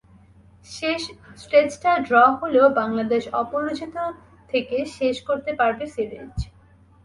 শেষ টেস্টটা ড্র হলেও বাংলাদেশ অপরাজিত থেকে শেষ করতে পারবে সিরিজ।